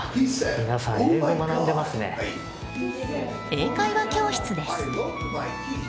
英会話教室です。